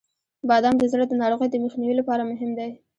• بادام د زړه د ناروغیو د مخنیوي لپاره مهم دی.